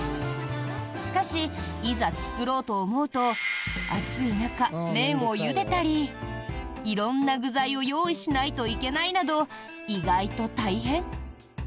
しかし、いざ作ろうと思うと暑い中、麺をゆでたり色んな具材を用意しないといけないなど意外と大変。